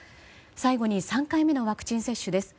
最後に３回目のワクチン接種です。